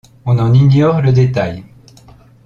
On en ignore le détail.